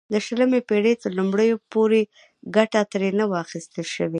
د شلمې پېړۍ تر لومړیو پورې ګټه ترې نه وه اخیستل شوې.